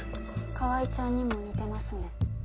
川合ちゃんにも似てますね。